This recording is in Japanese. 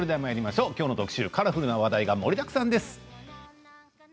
きょうの特集カラフルな話題が盛りだくさんです。